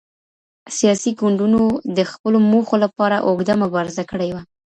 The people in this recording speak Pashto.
سياسي ګوندونو د خپلو موخو لپاره اوږده مبارزه کړې وه.